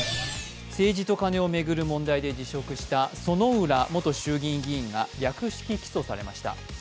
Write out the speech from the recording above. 政治とカネを巡る問題で辞職した薗浦元衆議院議員が略式起訴されました。